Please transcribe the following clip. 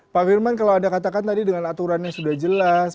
pak firman kalau anda katakan tadi dengan aturannya sudah jelas